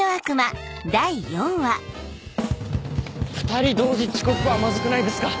２人同時遅刻はマズくないですか？